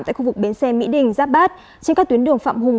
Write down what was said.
tại khu vực bến xe mỹ đình giáp bát trên các tuyến đường phạm hùng